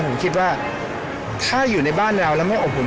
ผมคิดว่าถ้าอยู่ในบ้านเราแล้วไม่อบอุ่น